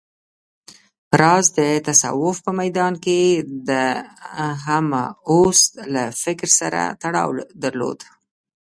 راز د تصوف په ميدان کې د همه اوست له فکر سره تړاو درلود